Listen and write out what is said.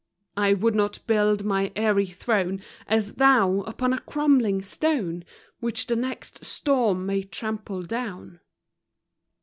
I would not build my eyrie throne, As thou, upon a crumbling stone, Which the next storm may trample down.